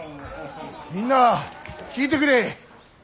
みんな聞いてくれ。